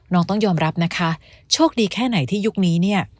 ต้องยอมรับนะคะโชคดีแค่ไหนที่ยุคนี้เนี่ย